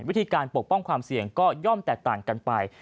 วิธีการปกป้องความเสี่ยงก็ย่อมแตกต่างกันไป